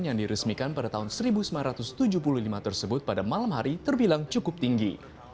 yang diresmikan pada tahun seribu sembilan ratus tujuh puluh lima tersebut pada malam hari terbilang cukup tinggi